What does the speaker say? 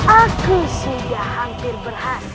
aku sudah hampir berhasil